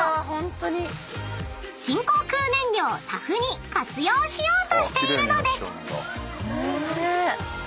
［新航空燃料ＳＡＦに活用しようとしているのです］